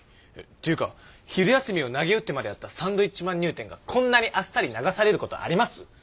ていうか昼休みをなげうってまでやったサンドウィッチマン入店がこんなにあっさり流されることあります？